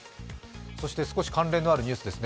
そして少し関連のあるニュースですね